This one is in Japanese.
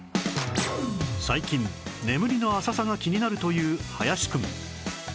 最近眠りの浅さが気になるという林くん